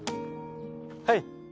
はい。